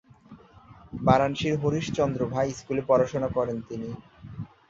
বারাণসীর হরিশ চন্দ্র ভাই স্কুলে পড়াশোনা করেন তিনি।